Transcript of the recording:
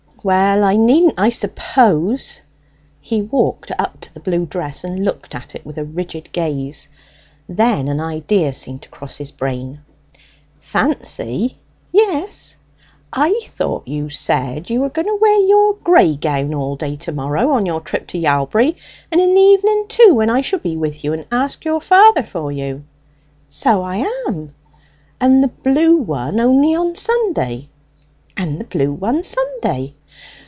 "Well, I needn't, I suppose." He walked up to the blue dress, and looked at it with a rigid gaze. Then an idea seemed to cross his brain. "Fancy." "Yes." "I thought you said you were going to wear your gray gown all day to morrow on your trip to Yalbury, and in the evening too, when I shall be with you, and ask your father for you?" "So I am." "And the blue one only on Sunday?" "And the blue one Sunday."